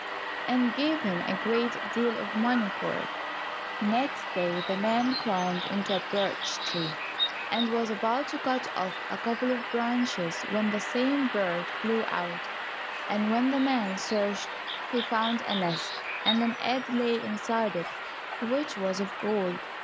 and gave him a great deal of money for it. Next day the man climbed into a birch tree, and was about to cut off a couple of branches when the same bird flew out, and when the man searched he found a nest, and an egg lay inside it, which was of gold.